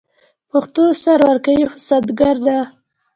پښتون سر ورکوي خو سنګر نه.